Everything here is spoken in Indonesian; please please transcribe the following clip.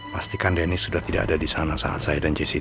pastikan dennis itu sudah tidak ada disana saat saya dan jessy tiba